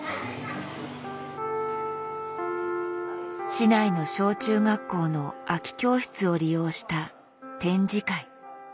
市内の小中学校の空き教室を利用した展示会。